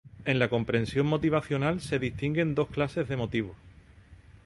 En la comprensión motivacional se distinguen dos clases de motivos.